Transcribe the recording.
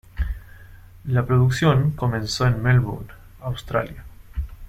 La producción comenzó en Melbourne, Australia.